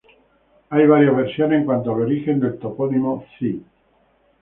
Hay varias versiones en cuanto al origen del topónimo "Cid".